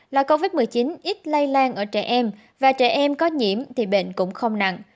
là covid một mươi chín ít lây lan ở trẻ em và trẻ em có nhiễm thì bệnh cũng không nặng